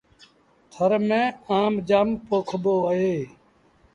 ٿر ميݩ آم جآم پوکبو اهي۔